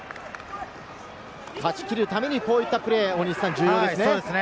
勝ち切るために、こういったプレー、重要ですね。